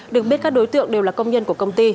được biết các đối tượng đều là công nhân của công ty